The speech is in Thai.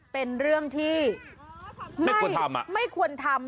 เป็นเรื่องที่ไม่ควรทำ